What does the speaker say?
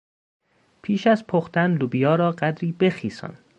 پیش از پختن لوبیا را قدری بخیسان.